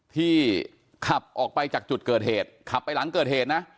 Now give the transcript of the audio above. ที่ขับออกไปจากจุดเกิดเหตุขับไปหลังเกิดเหตุนะ